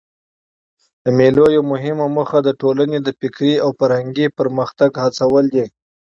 د مېلو یوه مهمه موخه د ټولني د فکري او فرهنګي پرمختګ هڅول دي.